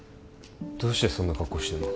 どうしてそんな格好してんの？